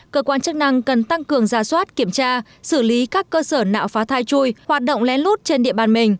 cơ quan chức năng cần tăng cường ra soát kiểm tra xử lý các cơ sở nạo phá thai chui hoạt động lén lút trên địa bàn mình